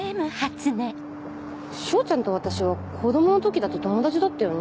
彰ちゃんと私は子供の時だって友達だったよね？